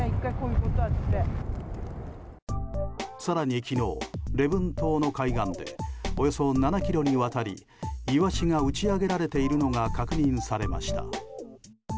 更に昨日、礼文島の海岸でおよそ７ｋｍにわたりイワシが打ち上げられているのが確認されました。